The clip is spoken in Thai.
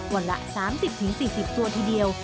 วันละ๓๐๔๐ตัวทีเดียว